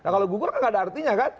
kalau gugur kan nggak ada artinya kan